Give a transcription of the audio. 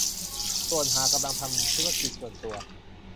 ส่วนหากกำลังทำธุรกิจส่วนตัว